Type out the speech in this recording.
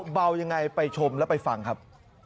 เบายังไงไปชมแล้วไปฟังครับ